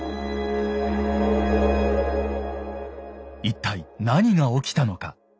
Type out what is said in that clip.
一体何が起きたのか。